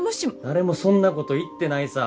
誰もそんなこと言ってないさ。